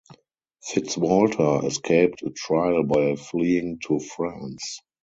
Fitzwalter escaped a trial by fleeing to France.